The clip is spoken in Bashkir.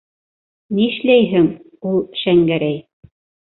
Нишләйһең ул, Шәңгәрәй?